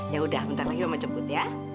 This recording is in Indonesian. yaudah bentar lagi mama jemput ya